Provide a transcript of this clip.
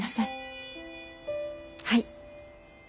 はい。